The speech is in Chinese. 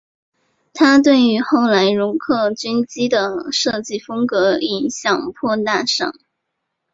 它对于后来容克军机的设计风格影响颇大上。